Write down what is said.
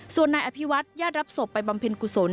ส่วนนายอภิวัตญาติรับศพไปบำเพ็ญกุศล